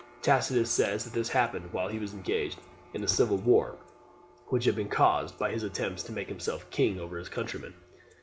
Tacitus says that this happened while he was engaged in a civil war, which had been caused by his attempts to make himself king over his countrymen.